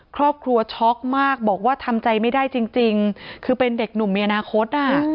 ครอบครัวช็อกมากบอกว่าทำใจไม่ได้จริงคือเป็นเด็กหนุ่มมีอนาคต